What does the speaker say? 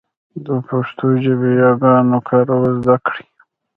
د پښتو ژبې ياګانو کارول زده کړئ.